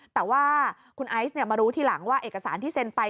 แต่ว่าคุณไอซ์มารู้ทีหลังว่าเอกสารที่เซ็นไป